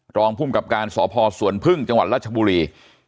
รองภูมิกับการสพสวนพึ่งจังหวัดราชบุรี